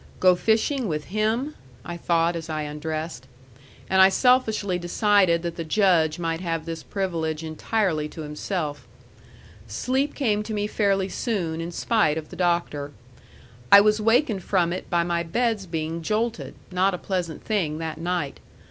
Go fishing with him! I thought, as I undressed. And I selfishly decided that the Judge might have this privilege entirely to himself. Sleep came to me fairly soon, in spite of the Doctor. I was wakened from it by my bed's being jolted not a pleasant thing that night.